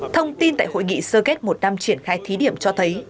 thông tin tại hội nghị sơ kết một năm triển khai thí điểm cho thấy